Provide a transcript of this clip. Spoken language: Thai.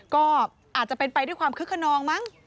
ก็อาจจะเป็นไปด้วยความคึกขนองมั้ง